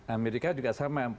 amerika juga sama